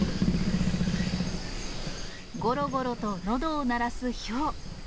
ごろごろとのどを鳴らすヒョウ。